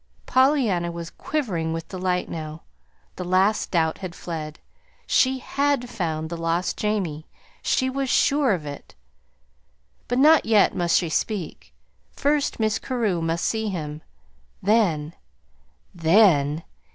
Pollyanna was quivering with delight now. The last doubt had fled. She had found the lost Jamie. She was sure of it. But not yet must she speak. First Mrs. Carew must see him. Then THEN